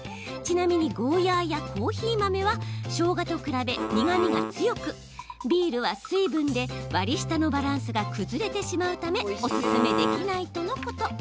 ちなみにゴーヤーやコーヒー豆はしょうがと比べ苦みが強くビールは水分で割り下のバランスが崩れてしまうためオススメできないとのこと。